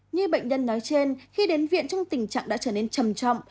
như bệnh nhân nói trên khi đến viện trong tình trạng đã trở nên trầm trọng